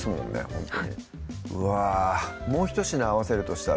ほんとにうわぁもう一品合わせるとしたら？